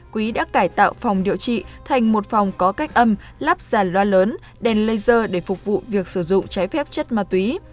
quý đã cải tạo phòng điều trị thành một phòng có cách âm lắp ràn loa lớn đèn laser để phục vụ việc sử dụng trái phép chất ma túy